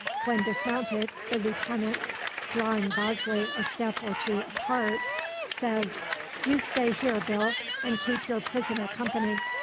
When dismounted, the lieutenant, drawing Bosley a step or two apart, says: "You stay here, Bill, and keep your prisoner company.